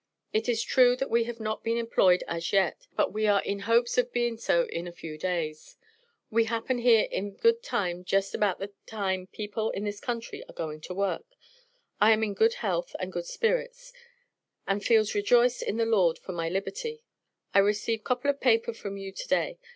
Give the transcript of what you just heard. It is true that we have not been Employed as yet; but we are in hopes of be'en so in a few days. We happen here in good time jest about time the people in this country are going work. I am in good health and good Spirits, and feeles Rejoiced in the Lord for my liberty. I Received cople of paper from you to day.